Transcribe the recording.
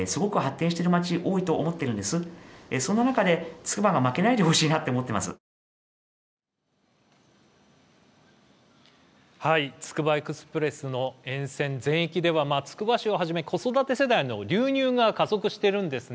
つくばエクスプレスの沿線全域ではつくば市をはじめ子育て世代の流入が加速しているんです。